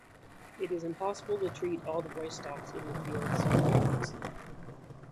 It is impossible to treat all the rice stalks in a field ceremoniously.